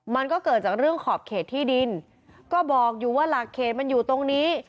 มันก็เกิดจากเรื่องขอบเขตที่ดินก็บอกอยู่ว่าหลักเขตมันอยู่ตรงนี้